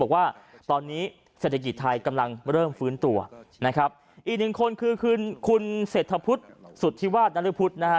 บอกว่าตอนนี้เศรษฐกิจไทยกำลังเริ่มฟื้นตัวนะครับอีกหนึ่งคนคือคุณเศรษฐพุทธสุธิวาสนรพุทธนะฮะ